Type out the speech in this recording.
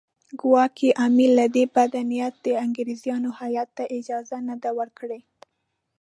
ګواکې امیر له بده نیته د انګریزانو هیات ته اجازه نه ده ورکړې.